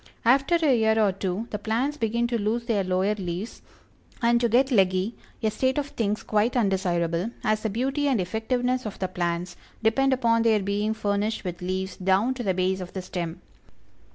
After a year or two the plants begin to lose their lower leaves, and to get leggy, a state of things quite undesirable, as the beauty and effectiveness of the plants depend upon their being furnished with leaves down to the base of the stem.